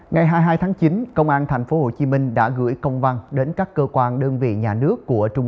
ngày hai mươi hai tháng chín công an tp hcm đã gửi công văn đến các cơ quan đơn vị nhà nước của trung